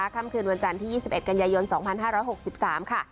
ค่ำคืนวันจันทร์ที่ยี่สิบเอ็ดกันยายนสองพันห้าร้อยหกสิบสามค่ะ